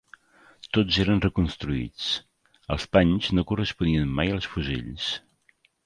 Tots eren reconstruïts; els panys no corresponien mai als fusells